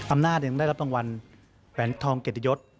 อำนาจยังได้รับรางวัลแหวนทองเกียรติยศ